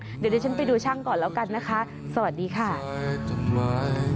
เดี๋ยวดิฉันไปดูช่างก่อนแล้วกันนะคะสวัสดีค่ะ